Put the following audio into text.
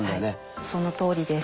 はいそのとおりです。